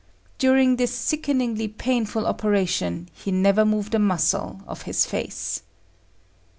During this sickeningly painful operation he never moved a muscle of his face.